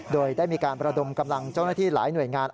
โดยได้มีการประดมกำลังเจ้าหน้าที่หลายหน่วยงาน